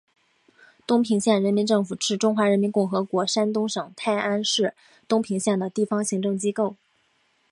东平县人民政府是中华人民共和国山东省泰安市东平县的地方行政机构。